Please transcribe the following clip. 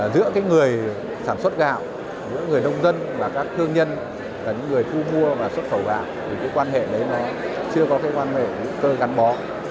giữa người sản xuất gạo người nông dân các thương nhân những người thu mua và xuất khẩu gạo thì quan hệ đó chưa có quan hệ cơ gắn bó